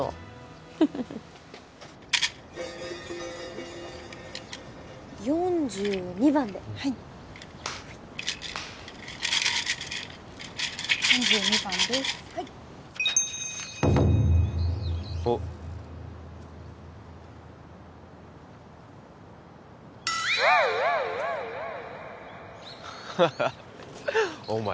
フフフフおっ４２番ではいはい４２番ですはいおっハハッお前